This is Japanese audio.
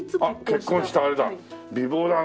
結婚したあれだ。